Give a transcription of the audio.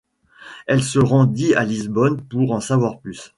Elle se rendit à Lisbonne pour en savoir plus.